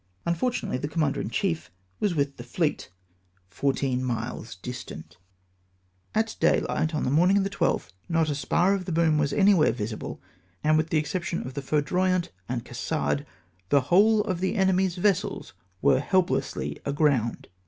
Unfortunately the commander in cliief was with the fleet, fom teen miles distant. THE FKENCII AGROUND. 381 At daylight on the morning of the 12th not a spar of the boom was anywhere visible, and with the excep tion of the Foudroyant and Cassard, the whole of the enemy's vessels were helplessly aground.